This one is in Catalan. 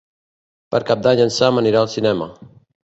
Per Cap d'Any en Sam anirà al cinema.